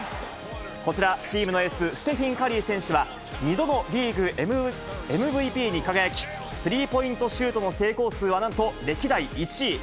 こちら、チームのエース、ステフィン・カリー選手は、２度のリーグＭＶＰに輝き、スリーポイントシュートの成功数はなんと歴代１位。